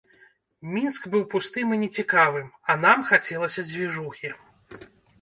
Мінск быў пустым і нецікавым, а нам хацелася дзвіжухі.